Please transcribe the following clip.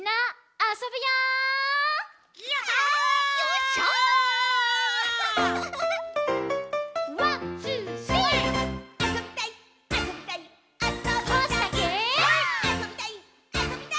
あそびたい！」